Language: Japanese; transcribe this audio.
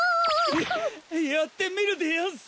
ややってみるでやんす。